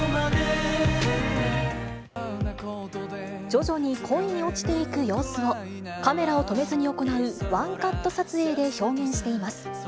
徐々に恋に落ちていく様子を、カメラを止めずに行うワンカット撮影で表現しています。